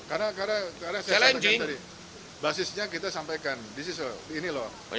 karena saya katakan tadi basisnya kita sampaikan ini loh angkanya